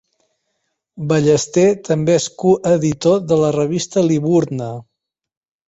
Ballester també és coeditor de la revista Liburna.